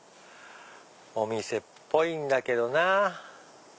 お店っぽいんだけどなぁ。